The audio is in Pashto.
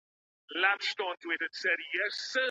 که ښاروالي فرهنګي مرکزونه جوړ کړي، نو ځوانان نه بې لاري کیږي.